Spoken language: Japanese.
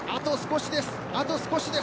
あと少しです。